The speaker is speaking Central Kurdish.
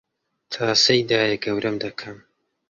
تاسەی دایەگەورەم دەکەم